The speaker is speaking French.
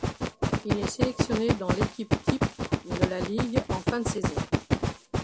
Il est sélectionné dans l'équipe-type de la ligue en fin de saison.